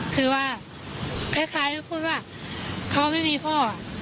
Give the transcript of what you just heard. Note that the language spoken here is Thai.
คือว่าคล้ายพูดว่าเขาไม่มีพ่อ